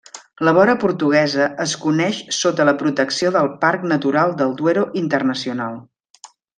La vora portuguesa es coneix sota la protecció del Parc Natural del Duero Internacional.